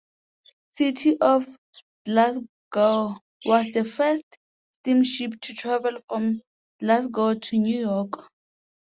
"City of Glasgow" was the first steamship to travel from Glasgow to New York.